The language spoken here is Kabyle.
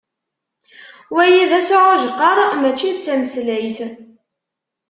Wayi d asɛujqer, mačči d tameslayt.